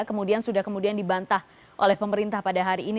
kemudian sudah kemudian dibantah oleh pemerintah pada hari ini